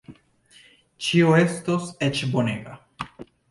Ĉio estos eĉ bonega.